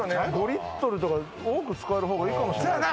５リットルとか多く使える方がいいかもしれないすね